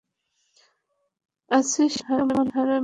আছিস কেমন, হারামী?